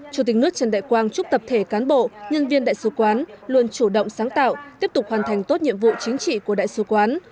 chủ tịch nước trần đại quang chúc tập thể cán bộ nhân viên đại sứ quán luôn chủ động sáng tạo tiếp tục hoàn thành tốt nhiệm vụ chính trị của đại sứ quán